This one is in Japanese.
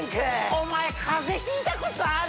おまえ風邪ひいたことある？